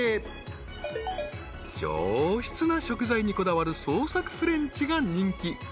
［上質な食材にこだわる創作フレンチが人気］